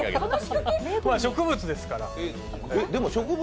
植物ですから。